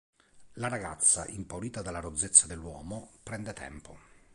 La ragazza, impaurita dalla rozzezza dell'uomo, prende tempo.